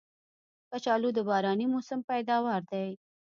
کچالو د باراني موسم پیداوار دی